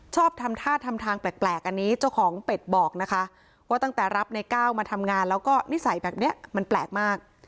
ทำท่าทำทางแปลกอันนี้เจ้าของเป็ดบอกนะคะว่าตั้งแต่รับในก้าวมาทำงานแล้วก็นิสัยแบบนี้มันแปลกมาก